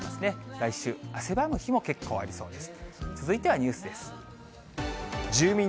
来週、汗ばむ日も結構ありそうです。